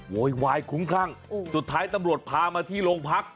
โวยวายคุ้มคลั่งสุดท้ายตำรวจพามาที่โรงพัก